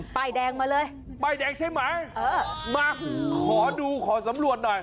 ป้ายแดงมาเลยป้ายแดงใช่ไหมเออมาขอดูขอสำรวจหน่อย